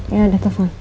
ya ada telfon